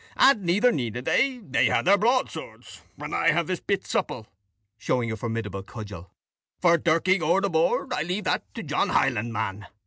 And neither needed they: they had their broadswords, and I have this bit supple," showing a formidable cudgel; "for dirking ower the board, I leave that to John Highlandman.